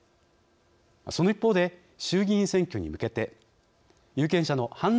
その一方で衆議院選挙に向けて有権者の判断